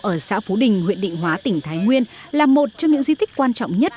ở xã phú đình huyện định hóa tỉnh thái nguyên là một trong những di tích quan trọng nhất